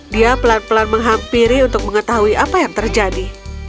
dia pelan pelan menghampiri untuk mengetahui apa yang terjadi